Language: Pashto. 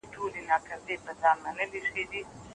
دا هغه ښار دی چي د فاضله ښار په نوم يادېږي.